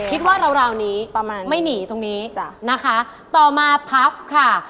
คิดว่าราวนี้ไม่หนีตรงนี้นะคะต่อมาพัฟฟ์ค่ะ